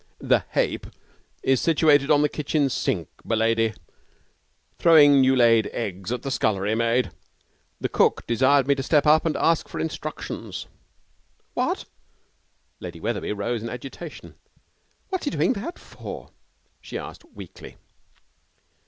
'The hape is seated on the kitchen sink, m'lady, throwing new laid eggs at the scullery maid, and cook desired me to step up and ask for instructions.' 'What!' Lady Wetherby rose in agitation. 'What's he doing that for?' she asked, weakly.